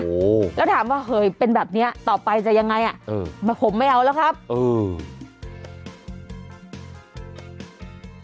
โอ้โหแล้วถามว่าเฮ้ยเป็นแบบเนี้ยต่อไปจะยังไงอ่ะเออผมไม่เอาแล้วครับเออ